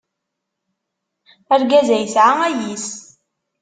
Argaz-a yesɛa ayis.